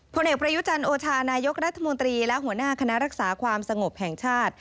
ผลเอกประยุจันทร์โอชานายกรัฐมนตรีและหัวหน้าคณะรักษาความสงบแห่งชาติ